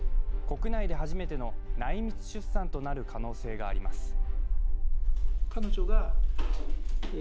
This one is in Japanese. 国内で初めての内密出産となる可能性があります。